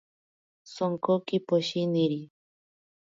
Sonkoki poshiniri.